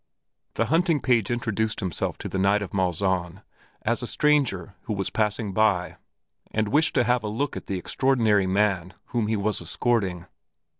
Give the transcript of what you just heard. The hunting page introduced himself to the Knight of Malzahn as a stranger who was passing by and wished to have a look at the extraordinary man whom he was escorting.